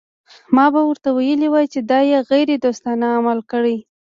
ما به ورته ویلي وای چې دا یې غیر دوستانه عمل کړی.